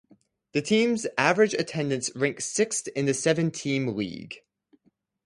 The team's average attendance ranked sixth in the seven-team league.